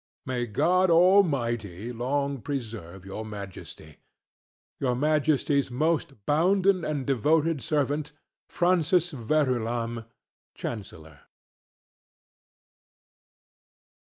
May God Almighty long preserve your Majesty! Your Majesty's Most bounden and devoted Servant, FRANCIS VERULAM, Chancellor.